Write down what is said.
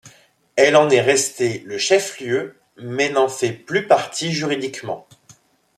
Elle en est restée le chef-lieu, mais n'en fait plus partie juridiquement.